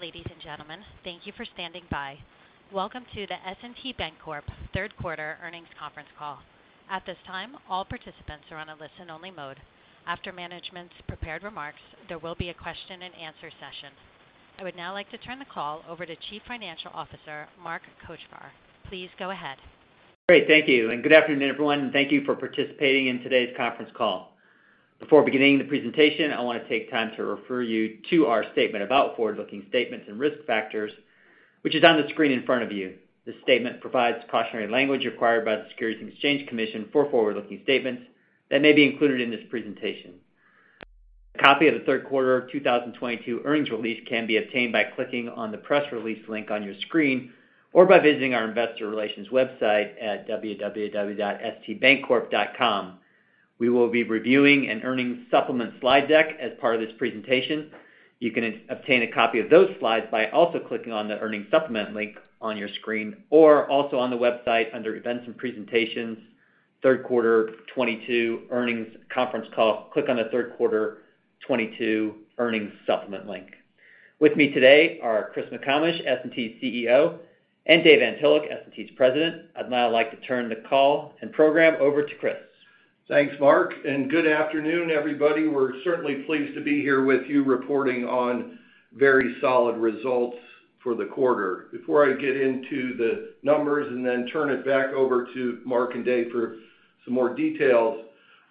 Ladies and gentlemen, thank you for standing by. Welcome to the S&T Bancorp Q3 earnings conference call. At this time, all participants are on a listen-only mode. After management's prepared remarks, there will be a question-and-answer session. I would now like to turn the call over to Chief Financial Officer, Mark Kochvar. Please go ahead. Great. Thank you. Good afternoon, everyone, and thank you for participating in today's conference call. Before beginning the presentation, I want to take time to refer you to our statement about forward-looking statements and risk factors, which is on the screen in front of you. This statement provides cautionary language required by the Securities and Exchange Commission for forward-looking statements that may be included in this presentation. A copy of the Q3 of 2022 earnings release can be obtained by clicking on the press release link on your screen or by visiting our investor relations website at www.stbancorp.com. We will be reviewing an earnings supplement slide deck as part of this presentation. You can obtain a copy of those slides by also clicking on the Earnings Supplement link on your screen or also on the website under Events and Presentations, Q3 2022 earnings conference call. Click on the Q3 2022 earnings supplement link. With me today are Chris McComish, S&T's CEO, and David Antolik, S&T's President. I'd now like to turn the call and program over to Chris. Thanks, Mark, and good afternoon, everybody. We're certainly pleased to be here with you reporting on very solid results for the quarter. Before I get into the numbers and then turn it back over to Mark and Dave for some more details,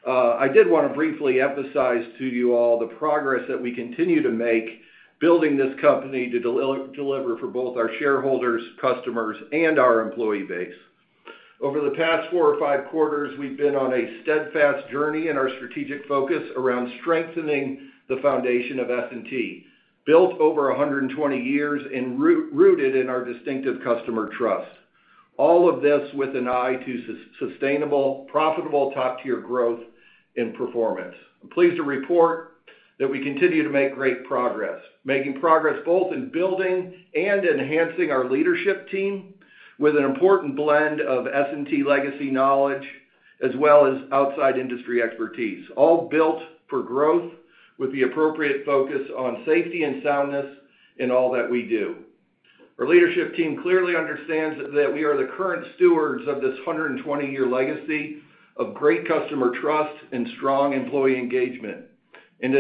I did want to briefly emphasize to you all the progress that we continue to make building this company to deliver for both our shareholders, customers, and our employee base. Over the past four or five quarters, we've been on a steadfast journey in our strategic focus around strengthening the foundation of S&T, built over 120 years and rooted in our distinctive customer trust. All of this with an eye to sustainable, profitable top-tier growth and performance. I'm pleased to report that we continue to make great progress. Making progress both in building and enhancing our leadership team with an important blend of S&T legacy knowledge as well as outside industry expertise, all built for growth with the appropriate focus on safety and soundness in all that we do. Our leadership team clearly understands that we are the current stewards of this 120-year legacy of great customer trust and strong employee engagement. As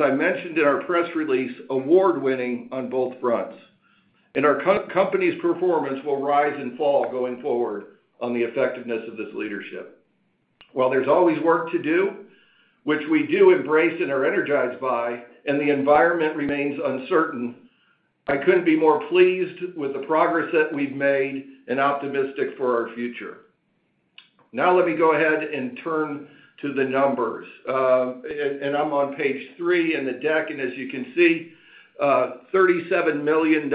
I mentioned in our press release, award-winning on both fronts. Our company's performance will rise and fall going forward on the effectiveness of this leadership. While there's always work to do, which we do embrace and are energized by, and the environment remains uncertain, I couldn't be more pleased with the progress that we've made and optimistic for our future. Now let me go ahead and turn to the numbers. I'm on page three in the deck, and as you can see, $37 million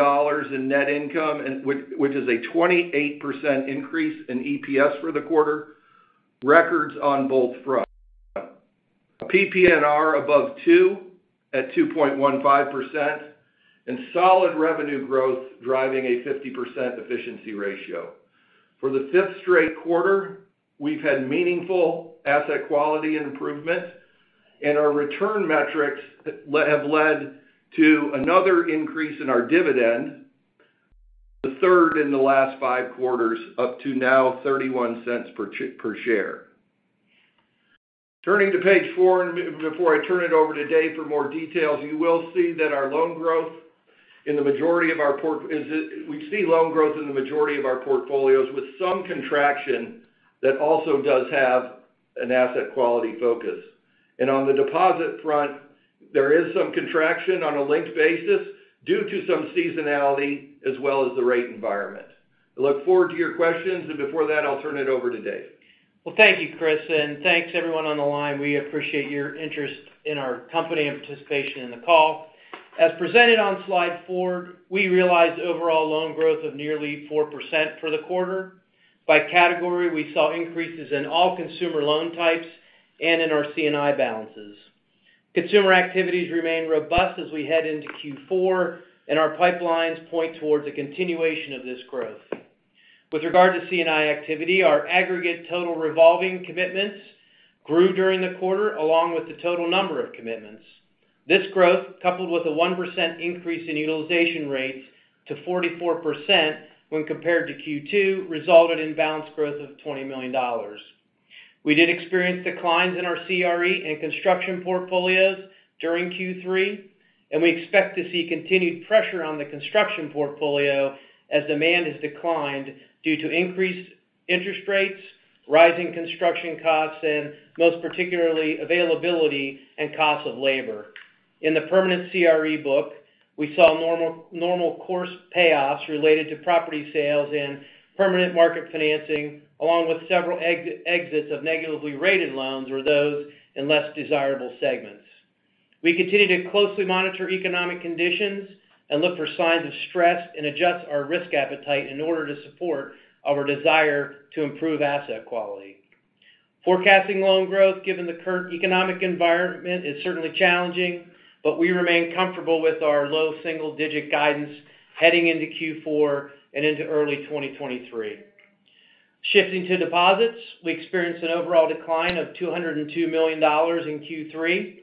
in net income, which is a 28% increase in EPS for the quarter. Records on both fronts. A PPNR above 2 at 2.15% and solid revenue growth driving a 50% efficiency ratio. For the fifth straight quarter, we've had meaningful asset quality and improvement, and our return metrics have led to another increase in our dividend, the third in the last five quarters, up to now $0.31 per share. Turning to page four, and before I turn it over to Dave for more details, you will see that we see loan growth in the majority of our portfolios with some contraction that also does have an asset quality focus. On the deposit front, there is some contraction on a linked basis due to some seasonality as well as the rate environment. I look forward to your questions, and before that, I'll turn it over to Dave. Well, thank you, Chris, and thanks everyone on the line. We appreciate your interest in our company and participation in the call. As presented on slide 4, we realized overall loan growth of nearly 4% for the quarter. By category, we saw increases in all consumer loan types and in our C&I balances. Consumer activities remain robust as we head into Q4, and our pipelines point towards a continuation of this growth. With regard to C&I activity, our aggregate total revolving commitments grew during the quarter, along with the total number of commitments. This growth, coupled with a 1% increase in utilization rates to 44% when compared to Q2, resulted in balance growth of $20 million. We did experience declines in our CRE and construction portfolios during Q3, and we expect to see continued pressure on the construction portfolio as demand has declined due to increased interest rates, rising construction costs, and most particularly, availability and cost of labor. In the permanent CRE book, we saw normal course payoffs related to property sales and permanent market financing, along with several exits of negatively rated loans or those in less desirable segments. We continue to closely monitor economic conditions and look for signs of stress and adjust our risk appetite in order to support our desire to improve asset quality. Forecasting loan growth given the current economic environment is certainly challenging, but we remain comfortable with our low single-digit guidance heading into Q4 and into early 2023. Shifting to deposits, we experienced an overall decline of $202 million in Q3.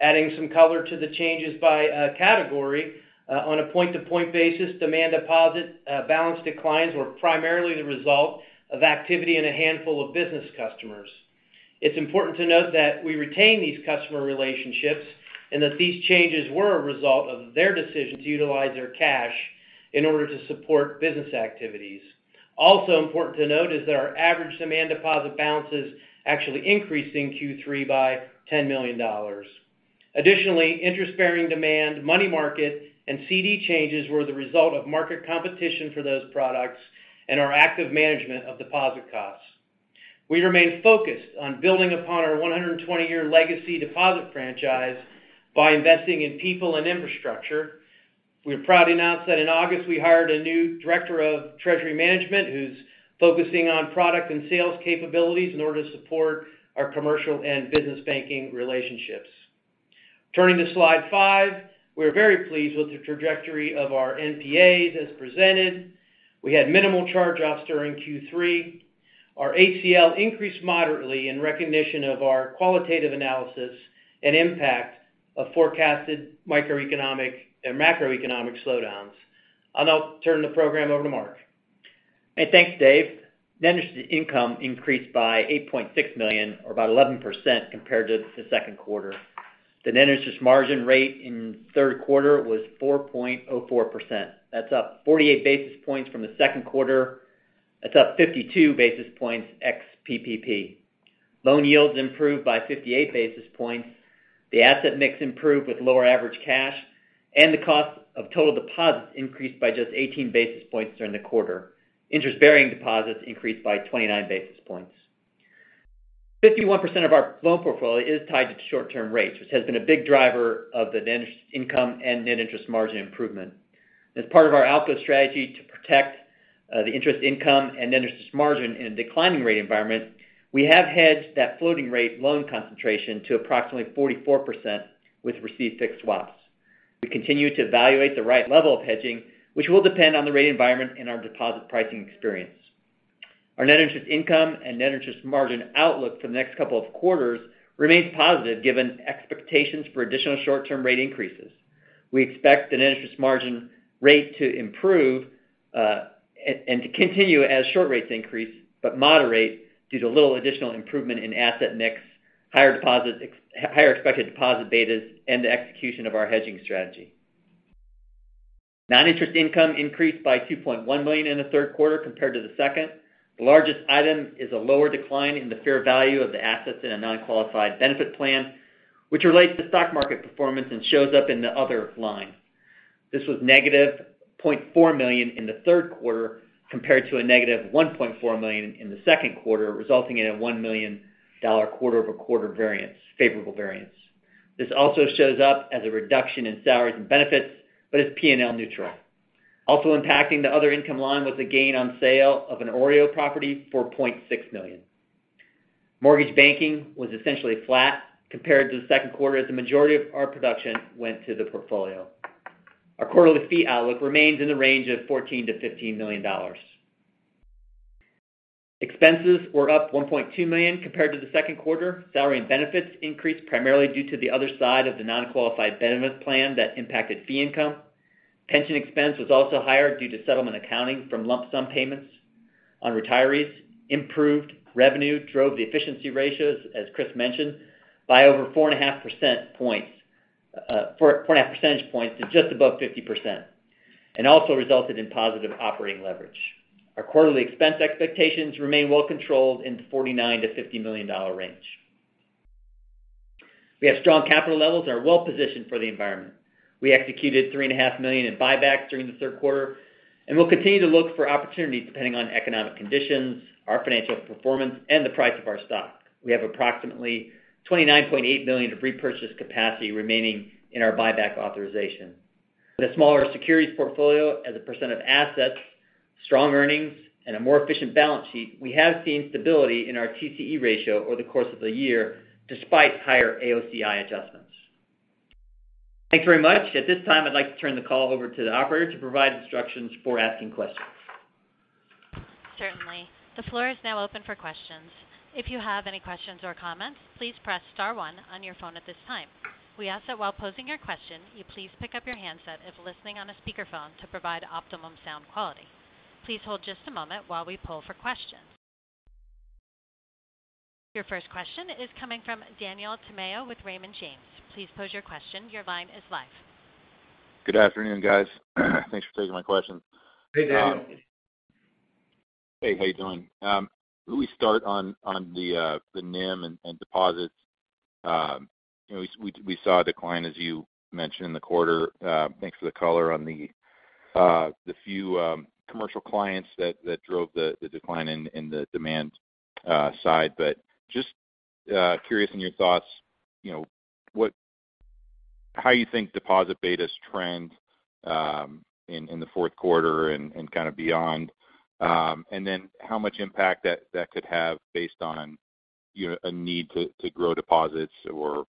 Adding some color to the changes by category, on a point-to-point basis, demand deposit balance declines were primarily the result of activity in a handful of business customers. It's important to note that we retain these customer relationships and that these changes were a result of their decision to utilize their cash in order to support business activities. Also important to note is that our average demand deposit balances actually increased in Q3 by $10 million. Additionally, interest-bearing demand, money market, and CD changes were the result of market competition for those products and our active management of deposit costs. We remain focused on building upon our 120-year legacy deposit franchise by investing in people and infrastructure. We proudly announce that in August, we hired a new director of treasury management who's focusing on product and sales capabilities in order to support our commercial and business banking relationships. Turning to Slide 5. We're very pleased with the trajectory of our NPAs as presented. We had minimal charge-offs during Q3. Our ACL increased moderately in recognition of our qualitative analysis and impact of forecasted macroeconomic slowdowns. I'll now turn the program over to Mark. Hey, thanks, Dave. Net interest income increased by $8.6 million or about 11% compared to the Q2. The net interest margin rate in the Q3 was 4.04%. That's up 48 basis points from the Q2. That's up 52 basis points ex PPP. Loan yields improved by 58 basis points. The asset mix improved with lower average cash, and the cost of total deposits increased by just 18 basis points during the quarter. Interest-bearing deposits increased by 29 basis points. 51% of our loan portfolio is tied to short-term rates, which has been a big driver of the net interest income and net interest margin improvement. As part of our outlook strategy to protect the interest income and net interest margin in a declining rate environment, we have hedged that floating rate loan concentration to approximately 44% with received fixed swaps. We continue to evaluate the right level of hedging, which will depend on the rate environment and our deposit pricing experience. Our net interest income and net interest margin outlook for the next couple of quarters remains positive given expectations for additional short-term rate increases. We expect the net interest margin rate to improve and to continue as short rates increase, but moderate due to little additional improvement in asset mix, higher expected deposit betas, and the execution of our hedging strategy. Non-interest income increased by $2.1 million in the Q3 compared to the Q2. The largest item is a lower decline in the fair value of the assets in a non-qualified benefit plan, which relates to stock market performance and shows up in the other line. This was -$0.4 million in the Q3 compared to a -$1.4 million in the Q2, resulting in a $1 million quarter-over-quarter variance, favorable variance. This also shows up as a reduction in salaries and benefits, but is P&L neutral. Also impacting the other income line was a gain on sale of an OREO property for $0.6 million. Mortgage banking was essentially flat compared to the Q2, as the majority of our production went to the portfolio. Our quarterly fee outlook remains in the range of $14 million-$15 million. Expenses were up $1.2 million compared to the Q2. Salary and benefits increased primarily due to the other side of the non-qualified benefits plan that impacted fee income. Pension expense was also higher due to settlement accounting from lump sum payments on retirees. Improved revenue drove the efficiency ratios, as Chris mentioned, by over 4.5 percentage points to just above 50%, and also resulted in positive operating leverage. Our quarterly expense expectations remain well controlled in the $49 million-$50 million range. We have strong capital levels and are well positioned for the environment. We executed $3.5 million in buybacks during the Q3, and we'll continue to look for opportunities depending on economic conditions, our financial performance, and the price of our stock. We have approximately $29.8 million of repurchase capacity remaining in our buyback authorization. With a smaller securities portfolio as a % of assets, strong earnings, and a more efficient balance sheet, we have seen stability in our TCE ratio over the course of the year, despite higher AOCI adjustments. Thanks very much. At this time, I'd like to turn the call over to the operator to provide instructions for asking questions. Certainly. The floor is now open for questions. If you have any questions or comments, please press *one on your phone at this time. We ask that while posing your question, you please pick up your handset if listening on a speakerphone to provide optimum sound quality. Please hold just a moment while we poll for questions. Your first question is coming from Daniel Tamayo with Raymond James. Please pose your question. Your line is live. Good afternoon, guys. Thanks for taking my question. Hey, Daniel. Hey, how you doing? Let me start on the NIM and deposits. You know, we saw a decline, as you mentioned in the quarter, thanks for the color on the few commercial clients that drove the decline in the demand side. But just curious in your thoughts, you know, how you think deposit betas trend in the Q4 and kind of beyond. And then how much impact that could have based on you know, a need to grow deposits or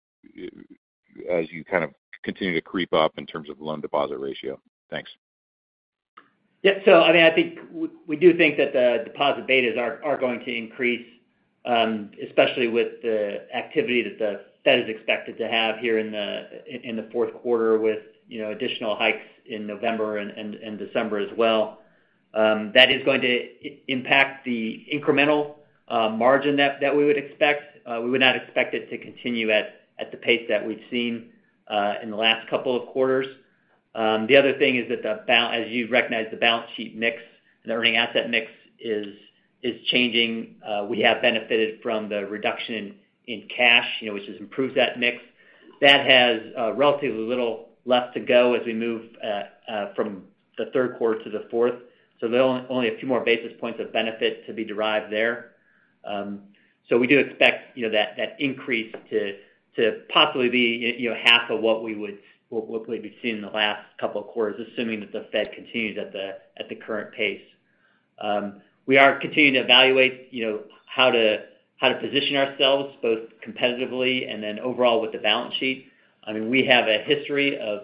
as you kind of continue to creep up in terms of loan deposit ratio. Thanks. Yeah. I mean, I think we do think that the deposit betas are going to increase, especially with the activity that the Fed is expected to have here in the Q4 with, you know, additional hikes in November and December as well. That is going to impact the incremental margin that we would expect. We would not expect it to continue at the pace that we've seen in the last couple of quarters. The other thing is that as you recognize, the balance sheet mix and the earning asset mix is changing. We have benefited from the reduction in cash, you know, which has improved that mix. That has relatively little left to go as we move from the Q3 to Q4 There are only a few more basis points of benefit to be derived there. We do expect, you know, that increase to possibly be, you know, half of what we've seen in the last couple of quarters, assuming that the Fed continues at the current pace. We are continuing to evaluate, you know, how to position ourselves both competitively and then overall with the balance sheet. I mean, we have a history of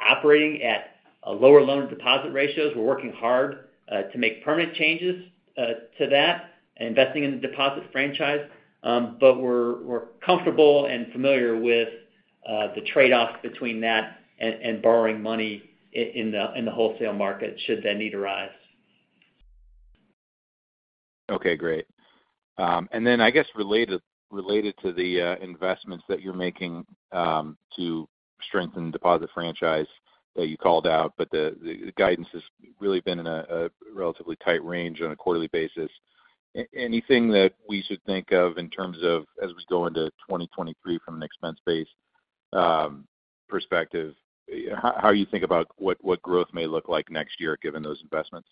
operating at a lower loan deposit ratios. We're working hard to make permanent changes to that and investing in the deposit franchise. We're comfortable and familiar with the trade-off between that and borrowing money in the wholesale market should that need arise. Okay, great. I guess related to the investments that you're making to strengthen deposit franchise that you called out, but the guidance has really been in a relatively tight range on a quarterly basis. Anything that we should think of in terms of as we go into 2023 from an expense base perspective? How you think about what growth may look like next year given those investments?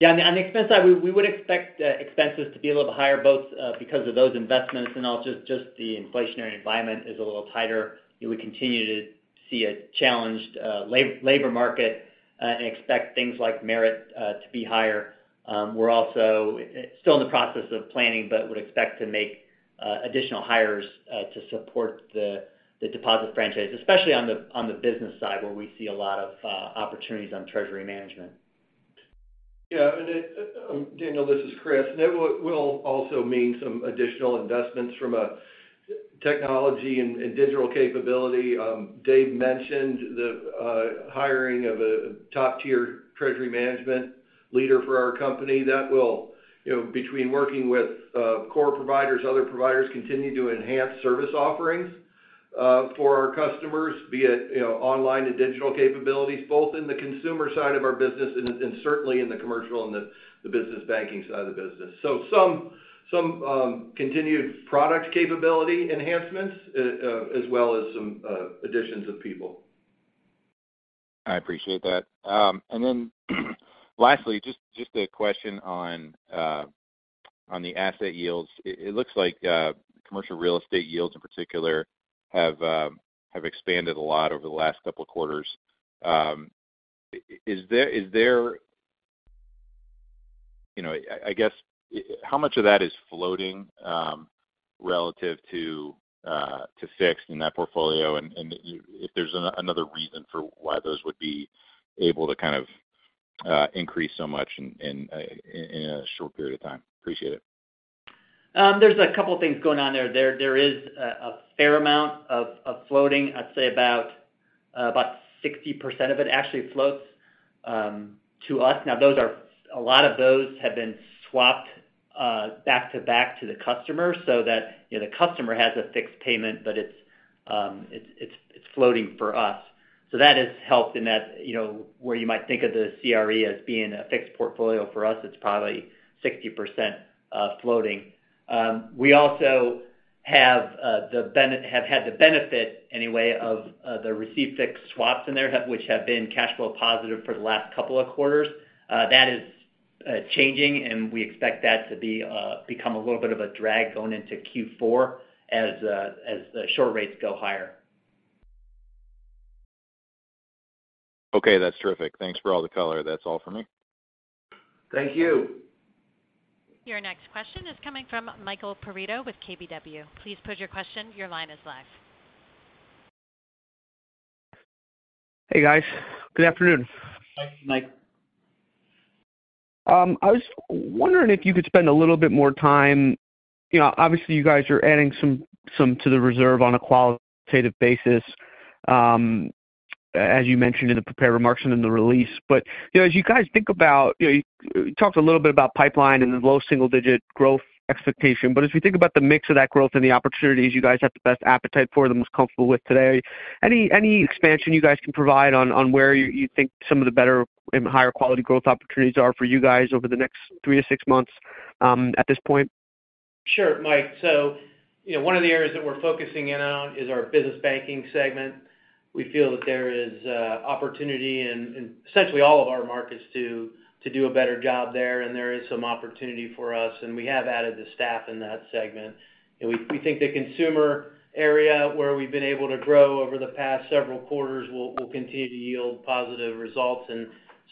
Yeah. On the expense side, we would expect expenses to be a little bit higher, both because of those investments and also just the inflationary environment is a little tighter. We continue to see a challenged labor market and expect things like merit to be higher. We're also still in the process of planning, but would expect to make additional hires to support the deposit franchise, especially on the business side, where we see a lot of opportunities on treasury management. Yeah. Daniel, this is Chris. That will also mean some additional investments from a technology and digital capability. Dave mentioned the hiring of a top-tier treasury management leader for our company that will, you know, between working with core providers, other providers, continue to enhance service offerings for our customers, be it, you know, online and digital capabilities, both in the consumer side of our business and certainly in the commercial and the business banking side of the business. Some continued product capability enhancements as well as some additions of people. I appreciate that. Lastly, just a question on the asset yields. It looks like commercial real estate yields in particular have expanded a lot over the last couple of quarters. Is there, you know, I guess how much of that is floating relative to fixed in that portfolio? If there's another reason for why those would be able to kind of increase so much in a short period of time. Appreciate it. There's a couple of things going on there. There is a fair amount of floating. I'd say about 60% of it actually floats to us. Now a lot of those have been swapped back-to-back to the customer so that, you know, the customer has a fixed payment, but it's floating for us. That has helped in that, you know, where you might think of the CRE as being a fixed portfolio, for us, it's probably 60% floating. We also have had the benefit anyway of the received fixed swaps in there, which have been cash flow positive for the last couple of quarters. That is changing, and we expect that to become a little bit of a drag going into Q4 as the short rates go higher. Okay, that's terrific. Thanks for all the color. That's all for me. Thank you. Your next question is coming from Michael Perito with KBW. Please pose your question. Your line is live. Hey, guys. Good afternoon. Thank you, Mike. I was wondering if you could spend a little bit more time, you know, obviously you guys are adding some to the reserve on a qualitative basis, as you mentioned in the prepared remarks and in the release. You know, as you guys think about, you know, you talked a little bit about pipeline and the low single-digit growth expectation. As we think about the mix of that growth and the opportunities you guys have the best appetite for the most comfortable with today, any expansion you guys can provide on where you think some of the better and higher quality growth opportunities are for you guys over the next 3-6 months, at this point? Sure, Mike. You know, one of the areas that we're focusing in on is our business banking segment. We feel that there is opportunity in essentially all of our markets to do a better job there, and there is some opportunity for us, and we have added the staff in that segment. We think the consumer area where we've been able to grow over the past several quarters will continue to yield positive results.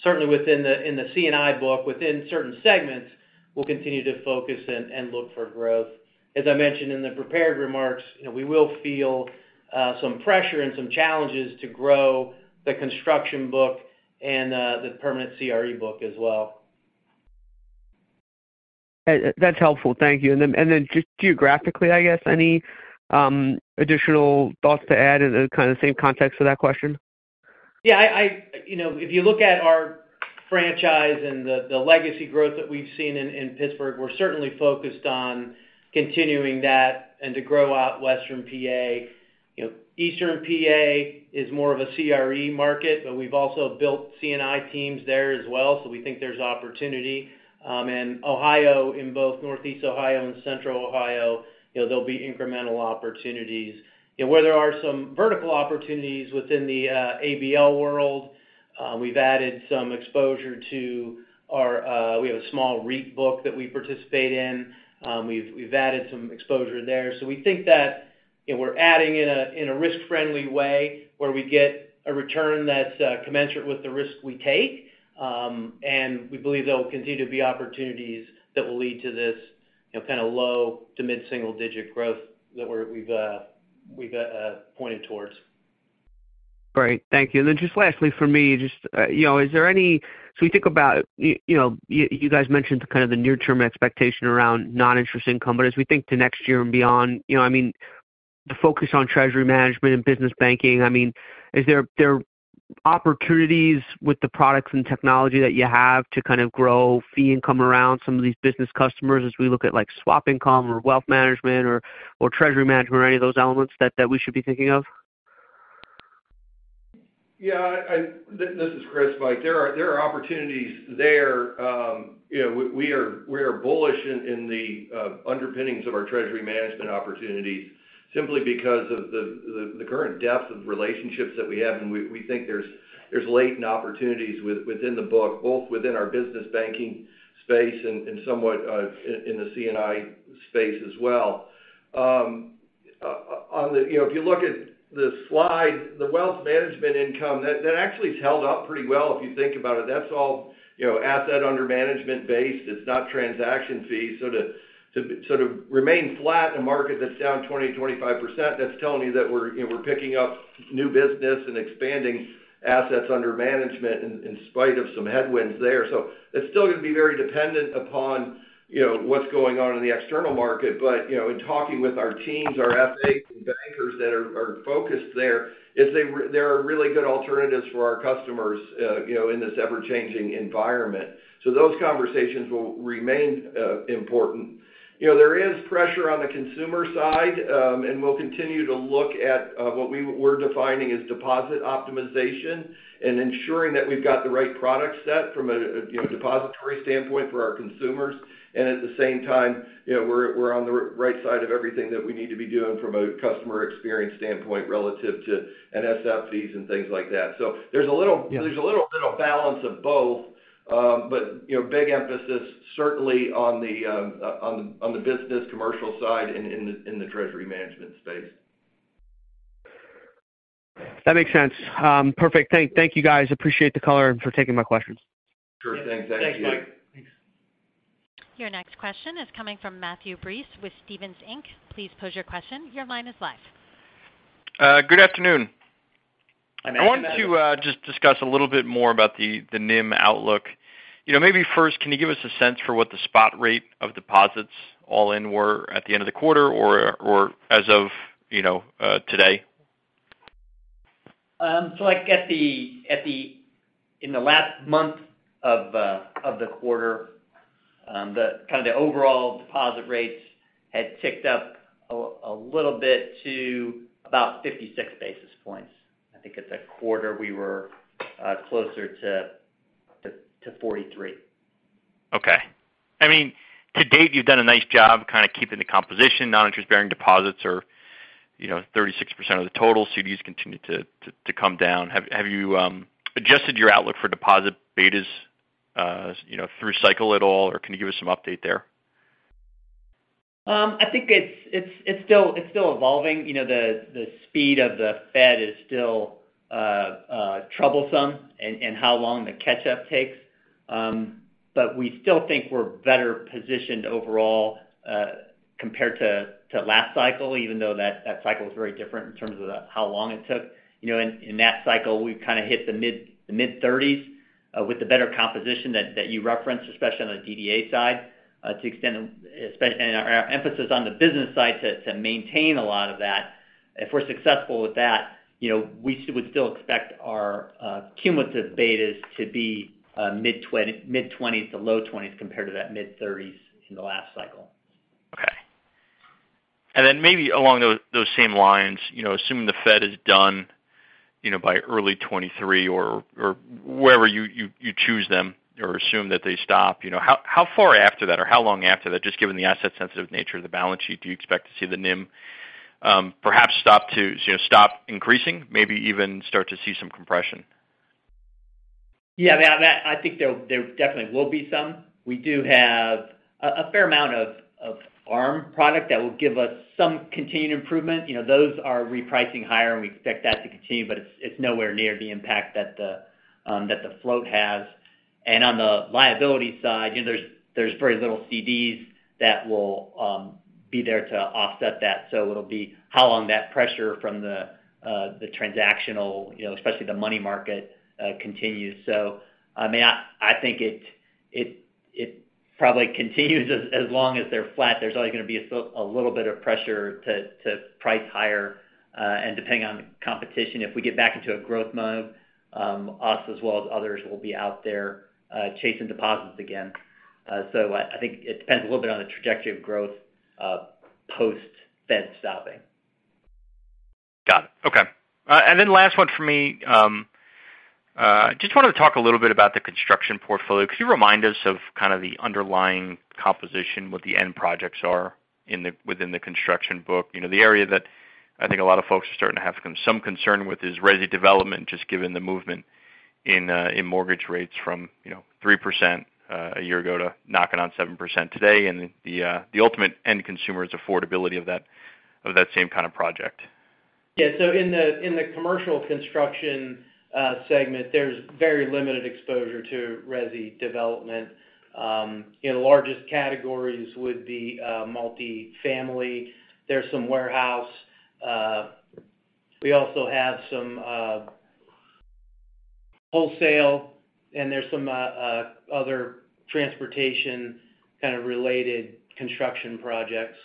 Certainly within the C&I book, within certain segments. We'll continue to focus and look for growth. As I mentioned in the prepared remarks, you know, we will feel some pressure and some challenges to grow the construction book and the permanent CRE book as well. That's helpful. Thank you. Just geographically, I guess, any additional thoughts to add in a kind of same context to that question? Yeah, you know, if you look at our franchise and the legacy growth that we've seen in Pittsburgh, we're certainly focused on continuing that and to grow out Western PA. You know, Eastern PA is more of a CRE market, but we've also built C&I teams there as well, so we think there's opportunity. Ohio, in both Northeast Ohio and Central Ohio, you know, there'll be incremental opportunities. You know, where there are some vertical opportunities within the ABL world, we've added some exposure to our, we have a small REIT book that we participate in. We've added some exposure there. We think that, you know, we're adding in a risk-friendly way where we get a return that's commensurate with the risk we take. We believe there will continue to be opportunities that will lead to this, you know, kind of low to mid-single digit growth that we've pointed towards. Great. Thank you. Then just lastly for me, just, you know, so we think about, you know, you guys mentioned kind of the near-term expectation around non-interest income. But as we think to next year and beyond, you know, I mean, the focus on treasury management and business banking, I mean, is there opportunities with the products and technology that you have to kind of grow fee income around some of these business customers as we look at, like, swap income or wealth management or treasury management or any of those elements that we should be thinking of? Yeah, this is Chris, Mike. There are opportunities there. You know, we are bullish in the underpinnings of our treasury management opportunities simply because of the current depth of relationships that we have, and we think there's latent opportunities within the book, both within our business banking space and somewhat in the C&I space as well. You know, if you look at the slide, the wealth management income, that actually has held up pretty well if you think about it. That's all, you know, asset under management based. It's not transaction fees. To remain flat in a market that's down 20%-25%, that's telling you that we're, you know, we're picking up new business and expanding assets under management in spite of some headwinds there. It's still gonna be very dependent upon, you know, what's going on in the external market. You know, in talking with our teams, our FAs and bankers that are focused there are really good alternatives for our customers, you know, in this ever-changing environment. Those conversations will remain important. You know, there is pressure on the consumer side, and we'll continue to look at what we're defining as deposit optimization and ensuring that we've got the right product set from a, you know, depository standpoint for our consumers. At the same time, you know, we're on the right side of everything that we need to be doing from a customer experience standpoint relative to NSF fees and things like that. There's a little. Yeah. There's a little bit of balance of both. You know, big emphasis certainly on the business commercial side in the treasury management space. That makes sense. Perfect. Thank you guys. Appreciate the color and for taking my questions. Sure thing. Thanks, Mike. Yeah. Thanks, Mike. Thanks. Your next question is coming from Matthew Breese with Stephens Inc. Please pose your question. Your line is live. Good afternoon. Matthew. I want to just discuss a little bit more about the NIM outlook. You know, maybe first, can you give us a sense for what the spot rate of deposits all-in were at the end of the quarter or as of, you know, today? Like in the last month of the quarter, kind of the overall deposit rates had ticked up a little bit to about 56 basis points. I think at the quarter, we were closer to 43. Okay. I mean, to date, you've done a nice job kind of keeping the composition. Non-interest bearing deposits are, you know, 36% of the total. CDs continue to come down. Have you adjusted your outlook for deposit betas, you know, through cycle at all, or can you give us some update there? I think it's still evolving. You know, the speed of the Fed is still troublesome in how long the catch-up takes. We still think we're better positioned overall, compared to last cycle, even though that cycle was very different in terms of how long it took. You know, in that cycle, we've kind of hit the mid-30s with the better composition that you referenced, especially on the DDA side and our emphasis on the business side to maintain a lot of that. If we're successful with that, you know, we would still expect our cumulative betas to be mid-20s to low 20s compared to that mid-30s in the last cycle. Okay. Then maybe along those same lines, you know, assuming the Fed is done, you know, by early 2023 or wherever you choose them or assume that they stop, you know, how far after that, or how long after that, just given the asset sensitive nature of the balance sheet, do you expect to see the NIM perhaps stop increasing, maybe even start to see some compression? Yeah. That, I think there definitely will be some. We do have a fair amount of ARM product that will give us some continued improvement. You know, those are repricing higher, and we expect that to continue, but it's nowhere near the impact that the float has. On the liability side, you know, there's very little CDs that will be there to offset that. It'll be how long that pressure from the transactional, you know, especially the money market, continues. I mean, I think it probably continues as long as they're flat. There's only gonna be a little bit of pressure to price higher. Depending on the competition, if we get back into a growth mode, us as well as others will be out there, chasing deposits again. I think it depends a little bit on the trajectory of growth, post Fed stopping. Got it. Okay. Last one for me. Just wanted to talk a little bit about the construction portfolio. Could you remind us of kind of the underlying composition, what the end projects are within the construction book? You know, the area that I think a lot of folks are starting to have some concern with is resi development, just given the movement in mortgage rates from, you know, 3% a year ago to knocking on 7% today, and the ultimate end consumer's affordability of that same kind of project. Yeah. In the commercial construction segment, there's very limited exposure to resi development. You know, largest categories would be multifamily. There's some warehouse. We also have some wholesale, and there's some other transportation kind of related construction projects.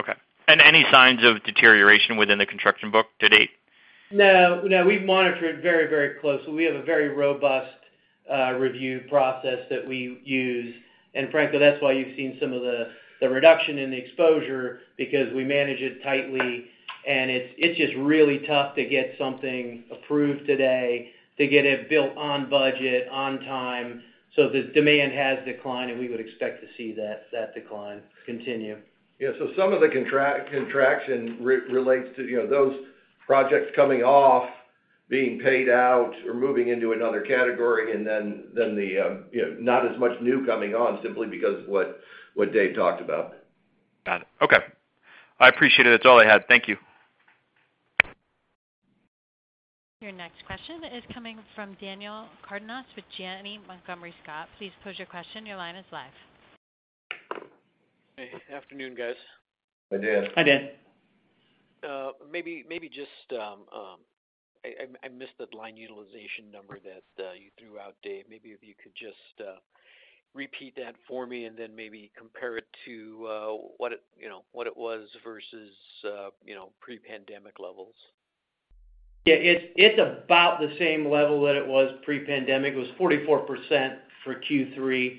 Okay. Any signs of deterioration within the construction book to date? No. No, we monitor it very, very closely. We have a very robust review process that we use. Frankly, that's why you've seen some of the reduction in the exposure, because we manage it tightly. It's just really tough to get something approved today, to get it built on budget, on time. The demand has declined, and we would expect to see that decline continue. Yeah. Some of the contraction relates to, you know, those projects coming off being paid out or moving into another category, and then the, you know, not as much new coming on simply because of what Dave talked about. Got it. Okay. I appreciate it. That's all I had. Thank you. Your next question is coming from Daniel Cardenas with Janney Montgomery Scott. Please pose your question. Your line is live. Hey. Afternoon, guys. Hi, Dan. Hi, Dan. Maybe just I missed the line utilization number that you threw out, Dave. Maybe if you could just repeat that for me and then maybe compare it to what it was versus you know pre-pandemic levels. Yeah. It's about the same level that it was pre-pandemic. It was 44% for Q3,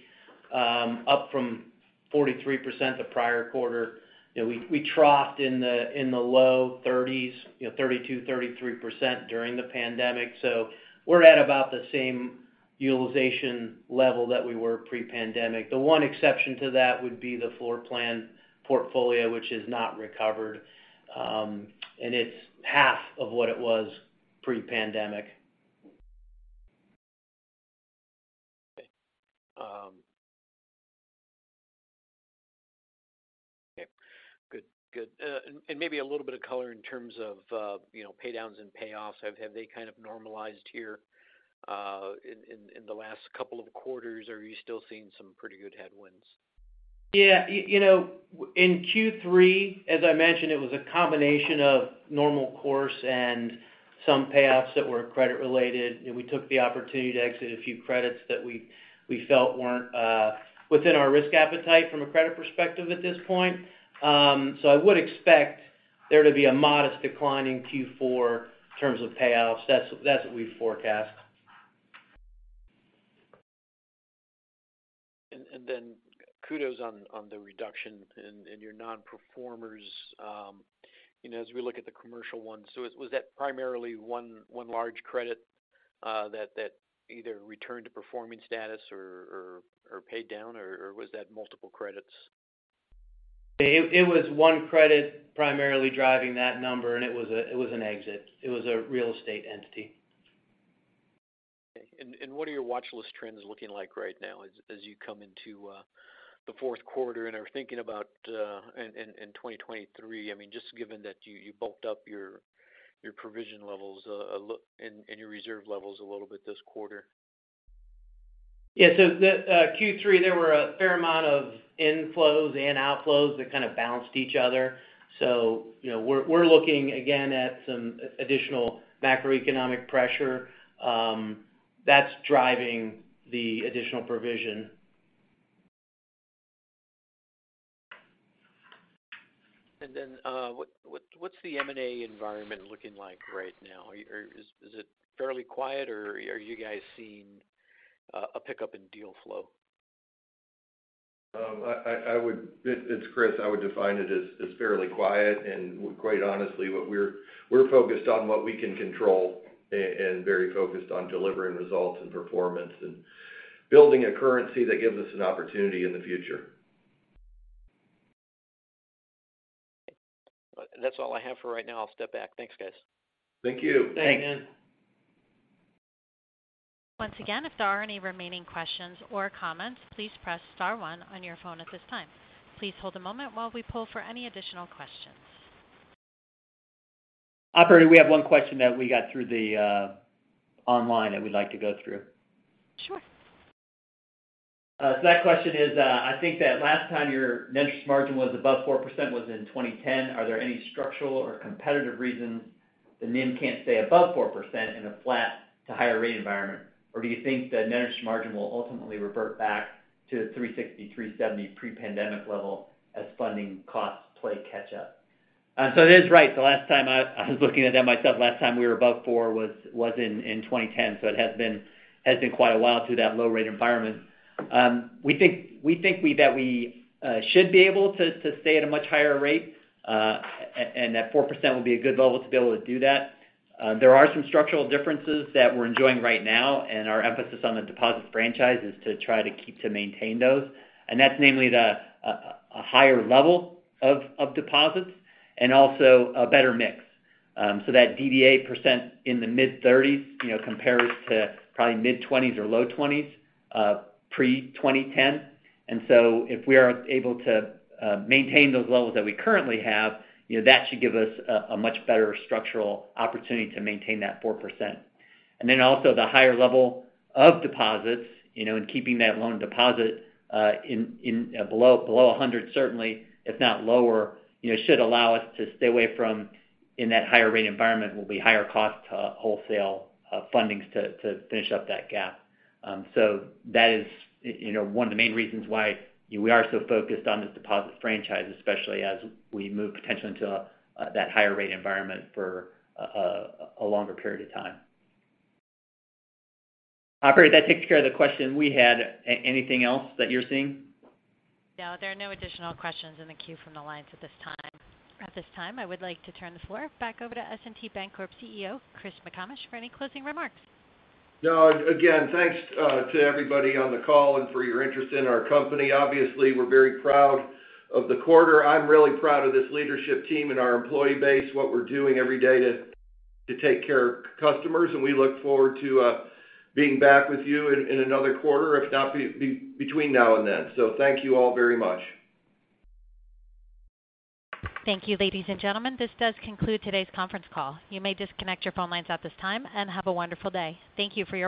up from 43% the prior quarter. You know, we troughed in the low thirties, you know, 32%, 33% during the pandemic. We're at about the same utilization level that we were pre-pandemic. The one exception to that would be the floor plan portfolio, which has not recovered. It's half of what it was pre-pandemic. Maybe a little bit of color in terms of, you know, paydowns and payoffs. Have they kind of normalized here, in the last couple of quarters? Or are you still seeing some pretty good headwinds? Yeah. You know, in Q3, as I mentioned, it was a combination of normal course and some payoffs that were credit related. You know, we took the opportunity to exit a few credits that we felt weren't within our risk appetite from a credit perspective at this point. I would expect there to be a modest decline in Q4 in terms of payoffs. That's what we forecast. Kudos on the reduction in your non-performers. You know, as we look at the commercial ones, so was that primarily one large credit that either returned to performing status or paid down, or was that multiple credits? It was one credit primarily driving that number, and it was an exit. It was a real estate entity. Okay. What are your watchlist trends looking like right now as you come into the Q4 and are thinking about in 2023? I mean, just given that you bulked up your provision levels a little and your reserve levels a little bit this quarter. Yeah. The Q3, there were a fair amount of inflows and outflows that kind of balanced each other. You know, we're looking again at some additional macroeconomic pressure that's driving the additional provision. What's the M&A environment looking like right now? Is it fairly quiet, or are you guys seeing a pickup in deal flow? It's Chris. I would define it as fairly quiet. Quite honestly, we're focused on what we can control and very focused on delivering results and performance and building a currency that gives us an opportunity in the future. That's all I have for right now. I'll step back. Thanks, guys. Thank you. Thanks. Thanks. Once again, if there are any remaining questions or comments, please press *one on your phone at this time. Please hold a moment while we pull for any additional questions. Operator, we have one question that we got through the online that we'd like to go through. Sure. That question is, I think that last time your net interest margin was above 4% was in 2010. Are there any structural or competitive reasons the NIM can't stay above 4% in a flat to higher rate environment? Or do you think the net interest margin will ultimately revert back to 3.60%, 3.70% pre-pandemic level as funding costs play catch up? It is right. The last time I was looking at that myself, last time we were above 4% was in 2010. It has been quite a while through that low rate environment. We think we should be able to stay at a much higher rate, and that 4% will be a good level to be able to do that. There are some structural differences that we're enjoying right now, and our emphasis on the deposits franchise is to try to maintain those. That's namely a higher level of deposits and also a better mix. That DDA percent in the mid-30s, you know, compares to probably mid-20s or low 20s, pre-2010. If we are able to maintain those levels that we currently have, you know, that should give us a much better structural opportunity to maintain that 4%. The higher level of deposits, you know, in keeping that loan-to-deposit in below 100% certainly, if not lower, you know, should allow us to stay away from, in that higher rate environment, the higher cost of wholesale fundings to finish up that gap. That is, you know, one of the main reasons why we are so focused on this deposit franchise, especially as we move potentially into that higher rate environment for a longer period of time. Operator, that takes care of the question we had. Anything else that you're seeing? No, there are no additional questions in the queue from the lines at this time. At this time, I would like to turn the floor back over to S&T Bancorp CEO, Chris McComish, for any closing remarks. No. Again, thanks to everybody on the call and for your interest in our company. Obviously, we're very proud of the quarter. I'm really proud of this leadership team and our employee base, what we're doing every day to take care of customers, and we look forward to being back with you in another quarter, if not between now and then. Thank you all very much. Thank you, ladies and gentlemen. This does conclude today's conference call. You may disconnect your phone lines at this time, and have a wonderful day. Thank you for your participation.